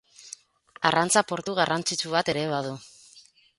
Arrantza portu garrantzitsu bat ere badu.